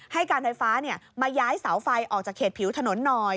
ให้การไฟฟ้ามาย้ายเสาไฟออกจากเขตผิวถนนหน่อย